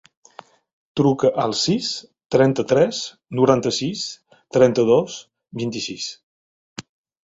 Truca al sis, trenta-tres, noranta-sis, trenta-dos, vint-i-sis.